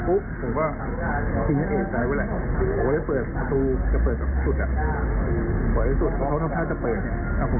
ผมก็วิ่งตามผมก็จับจูบวิ่งตามผมก็โดดขึ้นรถไงมันไม่ทันไง